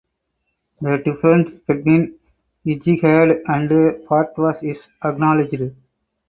The difference between ijtihad and fatwas is acknowledged.